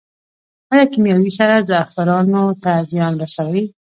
آیا کیمیاوي سره زعفرانو ته زیان رسوي؟